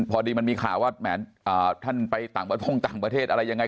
พอดีมันมีข่าวว่าแม่นท่านไปต่างโรงพยาบาลปกติต่างประเทศอะไรยังไง